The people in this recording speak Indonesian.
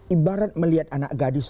ibarat melihat anak gadis